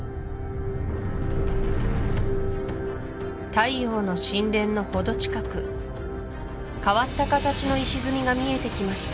太陽の神殿のほど近く変わった形の石積みが見えてきました